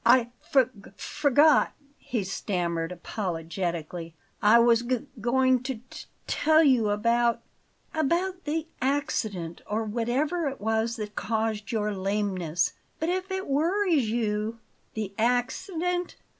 "I f forgot," he stammered apologetically. "I was g going to t tell you about " "About the accident or whatever it was that caused your lameness. But if it worries you " "The accident?